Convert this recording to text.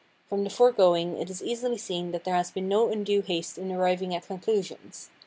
From the foregoing it is easily seen that there has been no undue haste in arriving at conclusions.